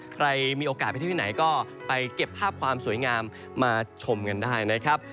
ใครมีโอกาสไปเที่ยวที่ไหนก็ไปเก็บภาพความสวยงามมาชมกันได้นะครับ